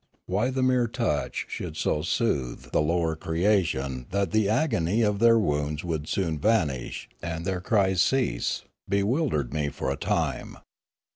Why the mere touch should so soothe the lower creation that the agony of their wounds would soon vanish and their cries cease bewildered me for a time.